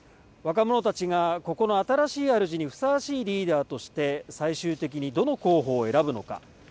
若者たちがここの新しいあるじにふさわしいリーダーとして最終的にどの候補を選ぶのか。